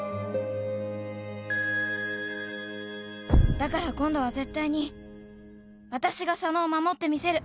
だから今度は絶対に私が佐野を守ってみせる